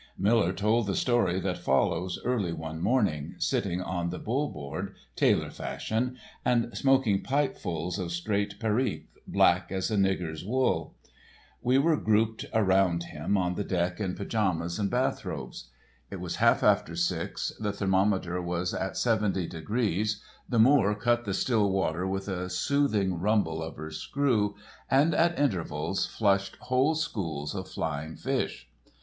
Miller told the story that follows early one morning, sitting on the Bull board, tailor fashion, and smoking pipefuls of straight perique, black as a nigger's wool. We were grouped around him on the deck in pajamas and bath robes. It was half after six, the thermometer was at 70 degrees, The Moor cut the still water with a soothing rumble of her screw, and at intervals flushed whole schools of flying fish.